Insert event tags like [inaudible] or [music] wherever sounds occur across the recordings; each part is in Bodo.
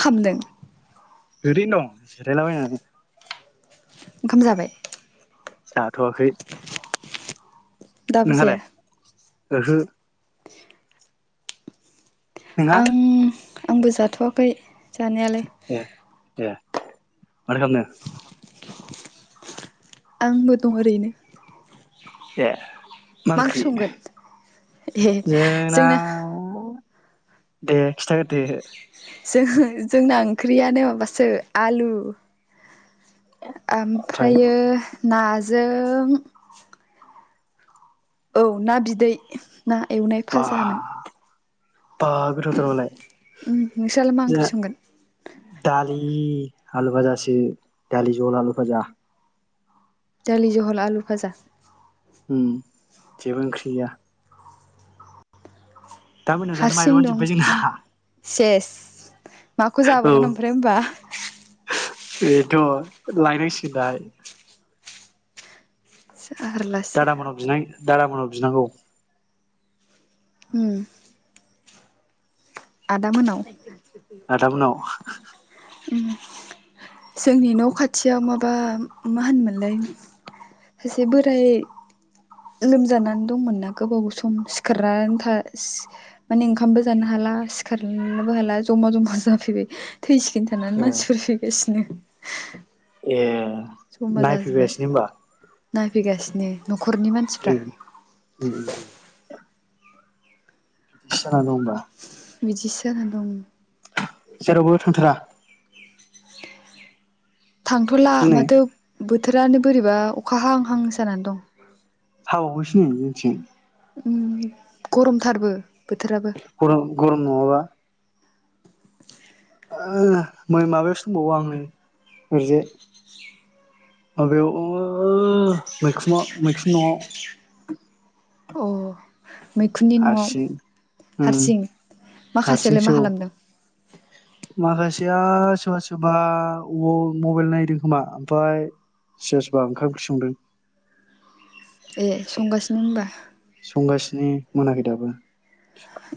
खामदों ओरै दं जिरायलाबायनानै ओंखाम जाबाय? जाथ'वाखै दाबो नोंहालाय? जाया ओहो [inaudible] नोंहा आं आंबो जाथ'वाखै जानायालाय माथौ खामनो? आंबो दं ओरैनो एह मा ओंख्रि संगोन ए जोंना दे खिथा दे जों-जोंना ओंख्रियानो माबासो आलु ओमफ्रायो नाजों औ ना बिदै ना एवनाय बा फाजामोन बा गोथावथारलाय उ नोंसोरलाय मा ओंख्रि संगोन? दालि आलु भाजासो दालि जल आलु भाजा दालि जहल आलु फाजा उम जेबो ओंख्रिया मोनायाव जानो हारसिं माइरंआनो दं जोब्बाय जोंना नों सेस माखौ औ जाबावगोन ओमफ्राय होनबा? बेथ' लायनांसिगौ दाय जारलासो दादामोनाव बिनांगौ उम आदा मोनाव आदामुनाव । ओम जोंनि न' खाथियाव माबा मा होनमोनलाय सासे बोराय। लोमजानान दंमोन ना गोबाव सम सिखारना आनथा सि माने ओंखामबो जानो हाला सि-खारनोबो हाला जमा जमा जाफैबाय। थैसिगोन थानानै ओ मानसिफोर फैगासिनो। [inaudible] ऐ। बा जमा जाजोब्बाय नायफैबायसिनो होमबा। नायफैगासिनो नख--। ओम ओम ओम। बिदिसो जाना दं ओमबा। बिदिसो जाना दं। जेरावबो थांथारा। थांथ'ला दिनै माथो बोथ--। बोथोरानो बोरैबा अखा हाआं हांसो जानानै दं। हाबावबायसो नै जोंथिं ओम गरमथारबो। बोथोराबो। नोआबा। [inaudible] ओं ना मै माबायाव सोंबावो आं नै ओरैजाय। माबायाव अओ ओ मैखुमाव। मैखुन न'आव। अह। मैखुननि न'आव हारसिं उम हारसिं माखासेआलाय मा हारसिंसो औ खालामदों। माखासेया सोरबा सोरबा औवअ मबाइल नायदों खोमा ओमफाय सोसबा ओंखाम ओंख्रि संदों। ए संगासिनो होमबा सं गासिनि मोनाखै दाबो।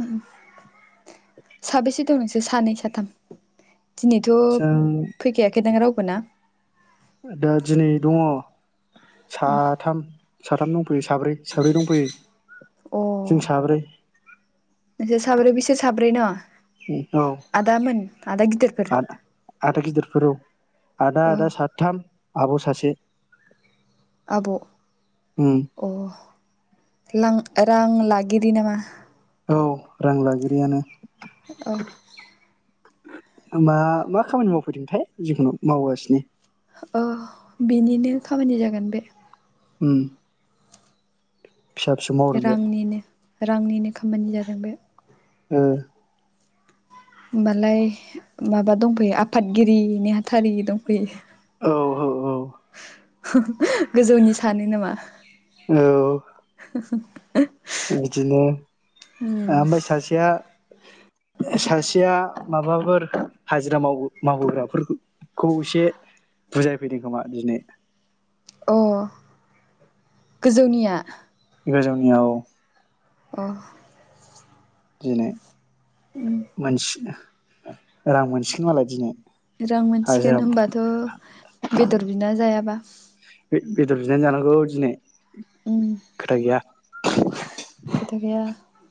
ओम। साबेसे दं नोंसो सानै साथाम। दिनैथ' जों फैखायाखैदां राव फोना। ओ दा दिनै दङ। साथाम साथाम दं फै साब्रै साब्रै दंफैयो अ जों साब्रै नोंसोर साब्रै बिसोर साब्रै नामा औ आदामोन आदा गिदिरफोर आदा गिदिरफोर औ आदा अ आदा साथाम आब सासे आब उम अ लां रां लागिरि नामा औ रां लागिरियानो औ मा मा खामानि मावफैदोंथाय जिखुनु मावगासिनो औ बेनिनो खामानि जागोन बे ओम रांनिनो रांनिनो खा मानि जागोन बे ओ होमबालाय माबा दंफैयो आफादगिरि नेहाथारि दंफैयो औ औ औ गोजौनि सानो नामा औ [unintelligible] बिदिनो उम ओमफाय सासेया सासेया माबाफोर हाजिरा मावबो मावबोग्राफोरखौ एसे बुजायफैदों खोमा दिनै अ गोजौनिया गोजौनिया औ अह दिनै मानसिना रां मोनसिगोन मालाय दिनै रां मोनसिगोन हाजिरा होमबाथ बेदर बिना जायाबा बे बेदर बिनानै जानांगौ दिनै उम खोथा गैया [unintelligible] [unintelligible] खोथा गैया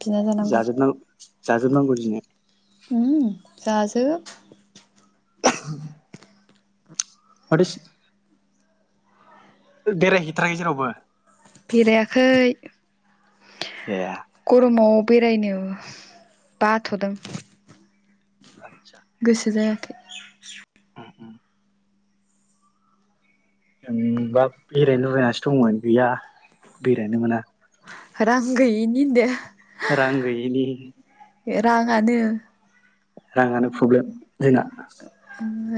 बिना जानांगौ जाजोबनांगौ जाजोबनांगौ दिनै उम जाजोब [unintelligible] [unintelligible] बेराय हैथाराखै जेरावबो बेरायाखै ए गरमब बेरायनो बाथ'दों आतसा गोसो जाया। [inaudible] जोंबा बेरायनो लुबैनानैसो दंमोन गैया बेरायनो मोना। रां गैयिनि होनदो। रां गैयिनि रांङानो। राङानो प्रब्लेम जोंना।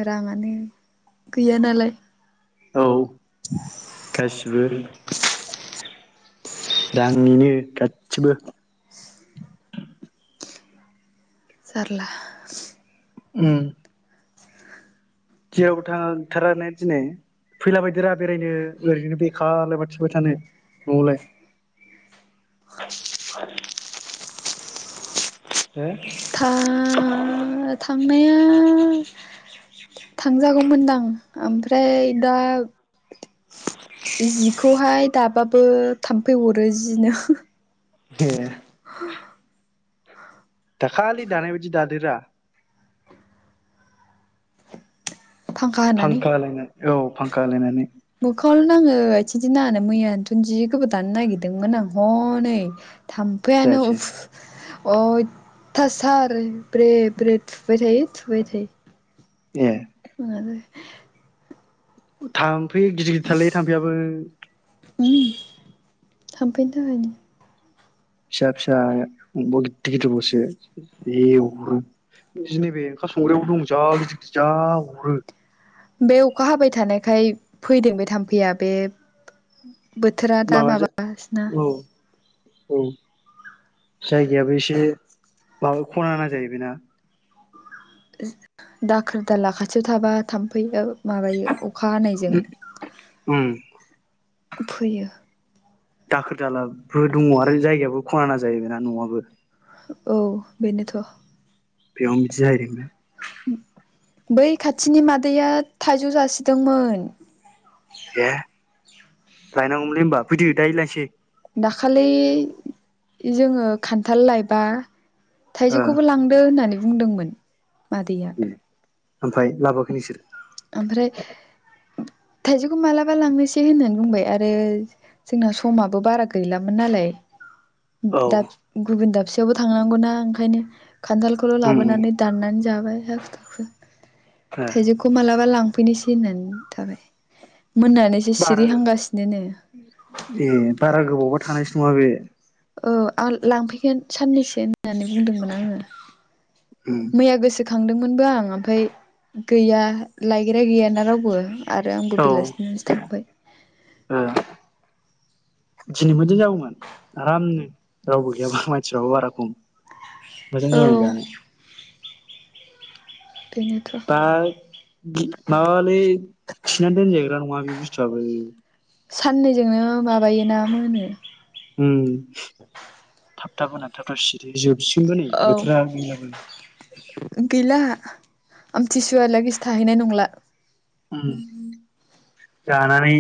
राङानो गैया नालाय। औ गासिबो रांनिनो गासिबो। जारला। उम। जेरावबो थांथारा ने दिनै फैला बायदोरा बेरायनो ओरैनो बेखारलाय माथो थाबाय थानो न'आवलाय। [inaudible] [inaudible] था थांनाय थांजागौमोनदां ओमफ्राय दा जि खौहाय दाबाबो थाम्फै अरो जिनो। ए [inaudible] दाखालि दानाय बादि दादोरा। फांखा होलायनानै। औ फांखा होलायनानै। मोखांल' नाङो आथिंथि नाङानो मैयानोथ' जि गोबाव दानो नागिरदोंमोन आं हनै थाम्फैआनो जायासै अयथासार ब्रे ब्रे थुबाय थायो थुबाय थायो। ए। [inaudible] [inaudible] थाम्फै गिदिर गिदिर थारलै थाम्फैयाबो। थामफैनि थाखायनो। फिसा फिसा गिदिर गिदिर बावसो जि अरो नैबे ओंखाम संग्रायावबो दं जा गिदिर गिदिर जा अरो। बे अखा हाबाय थानायखाय फैदों बे थाम्फैया बे बोथोरा दा माबा जा माबागासिनोना। औ औ जायगायाबो एसे माबा खना ना जाहैबायना। दाखोर दाला खाथियाव थाबा थाम्फैयाबो माबायो अखा हानायजों। उम फैयो। दाखोर दालाबो दङ आरो जायगायाबो खनाना जाहैबायना न'आबो। औ बेनोथ' बेयावनो बिदि जाहैदों बे । बै खाथिनि मादैया थाइजौ जासिदोंमोन। ए लायनांगौमोनलै होनबा फैदो दायो लायनोसै। दाखालि जोङो खान्थाल लायबा ओ थाइजौखौबो लांदो होननानै बुंदोंमोन मादैया ओमफ्राय लाबोआखै नोंसोरो? ओमफ्राय थाइजौखौ मालाबा लांनोसै होननानै बुंबाय आरो जोंना समाबो बारा गैलामोन नालाय औ दाब गुबुन दाब सेयावबो थांनांगौ ना ओंखायनो खान्थालखौल' उम लाबोनानै दाननानै जाब बाय हाखु दाखु ओ थाइजौखौ मालाबा लांफैनोसै होननानै थाबाय मोननानैसो बारा सिरिहांगासिनो नो बा थानायसो नङा बे औ आ लांफैगोन साननैसो होननानै बुंदोंमोन आङो उम मैया गोसो खांदोंमोनबो आं ओमफ्राय गैया लायग्राया गैयाना रावबो आरो आंबो औ बेलासिनासो थांबाय दिनैबो मोजां जागौमोन आरामनो रावबो गैयाबा मानसिफ्राबो बारा खम मोजां औ जागौमोन जानो बेनोथ' बा गि माबालै थिनानै दोनजग्रा नङा बे बुस्थुआबो साननैजोंनो माबायोना मोनो उम [inaudible] थाब थाब मोनना थाब थाब सिरि जोब सिगोनबो नै औ बोथोरा गैलाबो आमथिसुवालागिसो थाहैनाय नंला उम जानानै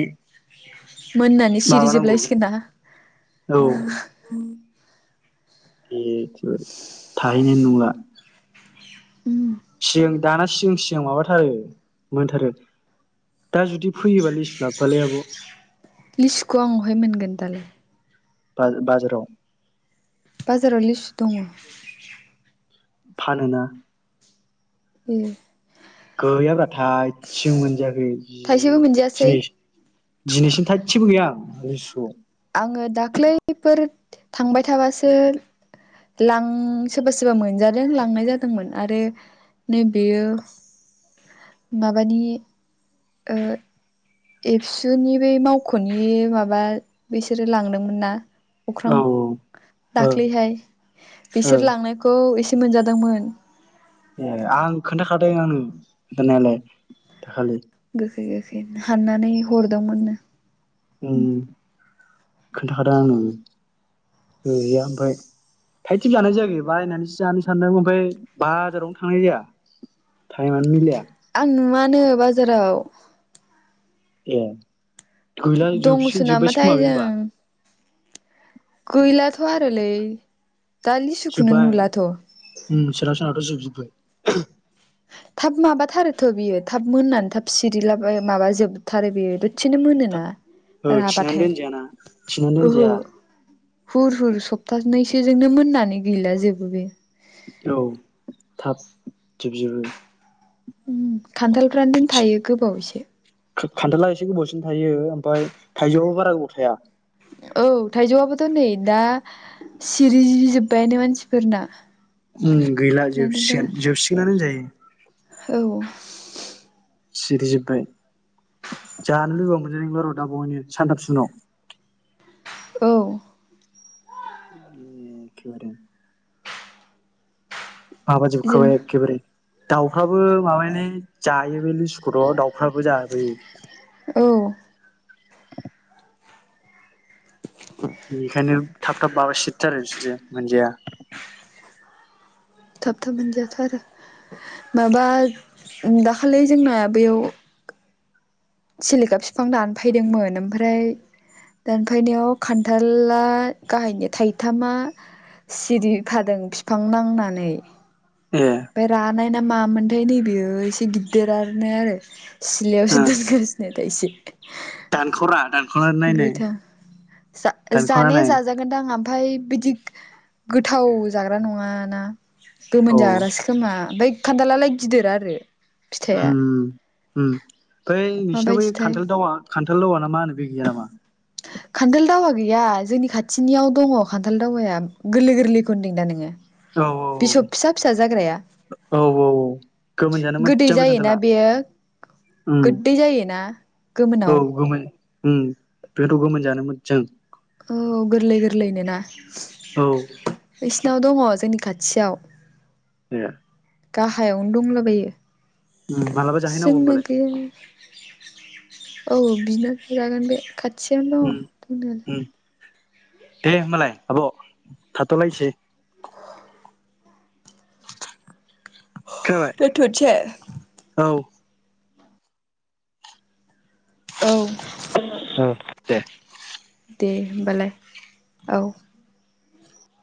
मोननानै माबानांगौ सिरिजोबलायसिगोनना? बे [unintelligible] था थाहैनाय नंला उम सिगां दाना सिगां सिगां माबाथारो मोनथारो दा जुदि फैयोबा लिसु लाबोफालै आब' लिसुखौ आं वहाय मोनगोन दालाय बाज-बाजाराव बाजाराव लिसु दङ फानोना। एह गोयाब्रा। थायसे मोनजाखै जि थाइसेबो मोनजायासै दिनैस दिनैसिम थायसेबो गैया आं लिसुखौ। आङो दाख्लैफोर थांबाय थाबासो लां सोरबा सोरबा मोनजादों लांनाय जादोंमोन आरो नैबेयो माबानि ओ एबसुनि बे मावख'नि माबा बिसोरो लांदोंमोन ना। अख्रां औ ओ दाख्लैहाय ओ बिसोर लांनायखौ एसे मोनजादोंमोन। ए आं खोन्थाखादों आंनो खोनथानायालाय दाखालि। गोखै गोखै हाननानै हरदोंमोन। उम। खोन्थाखादों आंनो गैया ओमफ्राय थाइसेबो जानाय जायाखै बायनानैसो जानो सानदों ओमफाय बाजारावनो थांनाय जाया टाइमानो मिलाया। आं नुवानो बाज जेराव ए गैला दङसो जोबसिगोन जोब्बायसो खोमा नामाथाय बे होमबा जों गैलाथ'आरोलै दा लिसुखौनो जोब्बाय नुलाथ'। जोबबाय। थाब माबाथारोथ' बियो थाब मोननानै थाब सिरिला बा माबाजोबथारो बेयो द' था ओ औ थिनानै दोनजायाना थिनानै ओहो दोनजाया। हुर हुर सप्तानैसो जोंनो मोननानै गैला जोबो बे औ थाब जोबजोबो। उम खान्थाल। फ्रानदेन थायो गोबाव एसे खा-खान्थाला एसे गोबावसिम थायो ओमफाय थाइजौआबो बारा गोबाव थाया। औ थाइजौआबोथ' नै दा सिरिजोबबायानो मानसिफोरना‌। उम गैला जोबसिगोन जोबसिगोनानो होनजायो। औ। सिरिजोब्बाय जानो लुबैबाबो मोनजानाय नंला र' दाबावैनो सानथासो उनाव। औ। एखेबारे जों माबाजोबखाबाय एखेबारे। दाउफ्राबो माबानो जायो बे लिसुखौट'दाउ हाबुजाबै औ बेनिखायनो थाब थाब माबा सिदथार बिदि मोनजाया। थाब थाब मोनजायाथ' आरो माबा दाखालि जोंना बेयाव सिलिखा बिफां दानफैदोंमोन ओमफ्राय दानफैनायाव खान्थला गाहायनि थाइथामा सिरिफादों बिफां नांनानै। ए बे रानाय ना मा मोनथाय नै बेयो एसे गिददिरनो आरो सिलायावसो दोनगासिनो एसि दान गोथां दानख'ना जा-जानाया नाय जाजागोनदां आमफाय बिदि गोथाव जाग्रा नङाना गोमोन औ जाग्रासो खोमा ओमफाय खान्थालालाय गिदिर आरो। फिथाइया ओम ओम बै नोंसिनाव बै माबायदिथाय खान्थाल दावा खान्थाल दावा ना मा होनो बे गैया नामा? खान्थाल दावा गैया जोंनि खाथिनियाव दङ खान्थाल दावाया गोरलै गोरलैखौ होनदों दा नोङो? औ बिसब फिसा फिसा जाग्राया औ औ गोमोन जानो गोदै मोजां बे खान्थाला जायोना बेयो उम गोदै जायोना औ गोमोनाव? गोमोन उम बेथ' गोमोन जानो मोजां औ गोरलै गोरलैनोना औ बिसिनाव दङ जोंनि खाथियाव [unintelligible] गाहायावनो दंलाबायो उम मालाबा सों जाहैनांगौ होमबालाय नोगोर औ बिनो बिजागोन बे खाथि थियावनो उम दङ [unintelligible] उम दे होनबालाय आब' थाथ' लायसै खोनाबाय दोनथ'नसै? औ औ [inaudible] औ दे दे होमबालाय औ